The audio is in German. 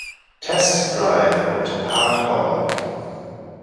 „Test Drive" und „HardBall!